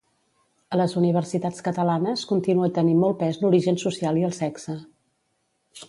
A les universitats catalanes, continua tenint molt pes l'origen social i el sexe.